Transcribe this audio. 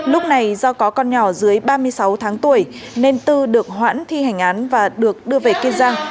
lúc này do có con nhỏ dưới ba mươi sáu tháng tuổi nên tư được hoãn thi hành án và được đưa về kiên giang